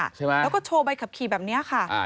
แล้วก็โชว์ใบขับขี่แบบนี้ค่ะ